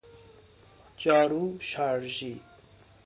جارو شارژی